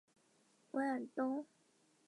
但其合格标准比食用奶粉低。